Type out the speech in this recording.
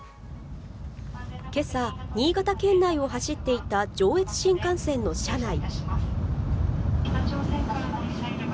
今朝、新潟県内を走っていた上越新幹線の車内。